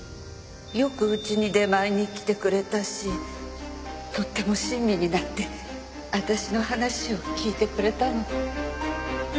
よくうちに出前に来てくれたしとっても親身になって私の話を聞いてくれたの。